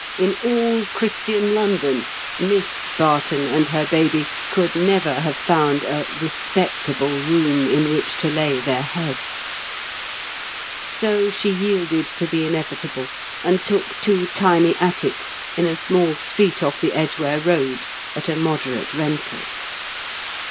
in all Christian London, Miss Barton and her baby could never have found a "respectable" room in which to lay their heads. So she yielded to the inevitable, and took two tiny attics in a small street off the Edgware Road at a moderate rental.